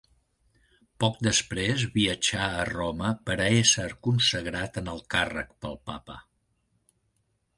Poc després viatjà a Roma per a esser consagrat en el càrrec pel Papa.